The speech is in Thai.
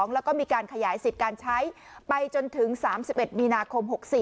แล้วก็มีการขยายสิทธิ์การใช้ไปจนถึง๓๑มีนาคม๖๔